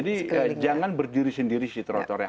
jadi jangan berdiri sendiri sih trotoarnya